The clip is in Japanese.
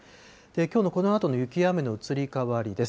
きょうのこのあとの雪や雨の移り変わりです。